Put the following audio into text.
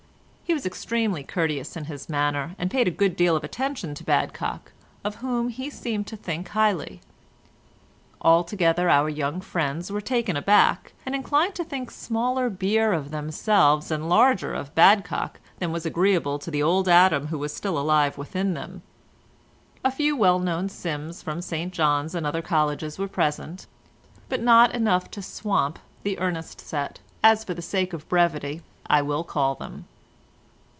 He was extremely courteous in his manner, and paid a good deal of attention to Badcock, of whom he seemed to think highly. Altogether our young friends were taken aback, and inclined to think smaller beer of themselves and larger of Badcock than was agreeable to the old Adam who was still alive within them. A few well known "Sims" from St John's and other colleges were present, but not enough to swamp the Ernest set, as for the sake of brevity, I will call them.